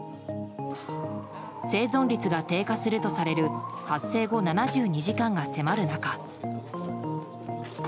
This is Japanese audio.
生存率が低下するとされる発生後７２時間が迫る中。